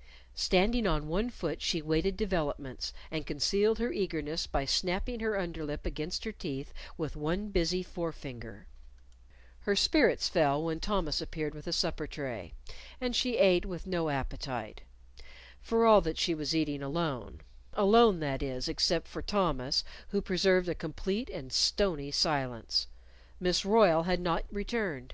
_ Standing on one foot she waited developments, and concealed her eagerness by snapping her underlip against her teeth with one busy forefinger. Her spirits fell when Thomas appeared with the supper tray. And she ate with no appetite for all that she was eating alone alone, that is, except for Thomas, who preserved a complete and stony silence. Miss Royle had not returned.